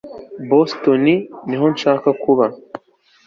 boston niho nshaka kuba